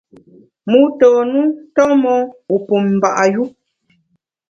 Mû tôn u nton mon, wu pum mba’ yu.